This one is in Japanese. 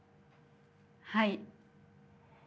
はい。